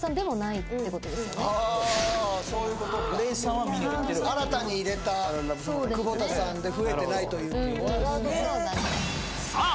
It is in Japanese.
きっとあそういうことか新たに入れた久保田さんで増えてないということですねさあ